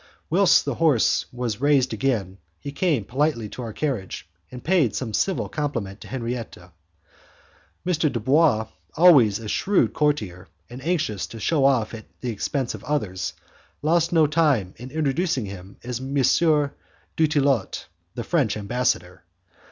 Whilst the horse was raised again, he came politely to our carriage, and paid some civil compliment to Henriette. M. Dubois, always a shrewd courtier and anxious to shew off at the expense of others, lost no time in introducing him as M. Dutillot, the French ambassador.